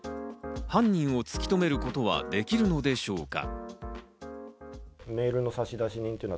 犯人を突き止めることはできるのでしょうか。